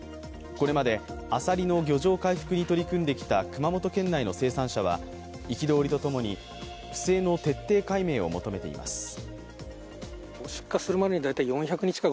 これまであさりの漁場回復に取り組んできた熊本県内の生産者は憤りとともに、不正の徹底解明を求めています。